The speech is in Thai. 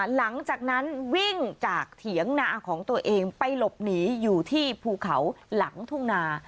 หลังจากนั้นวิ่งจากเถียงนาของตัวเองไปหลบหนีอยู่ที่ภูเขาหลังทุ่งนา